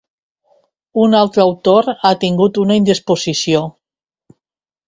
Un altre autor ha tingut una indisposició.